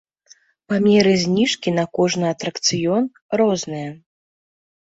Памеры зніжкі на кожны атракцыён розныя.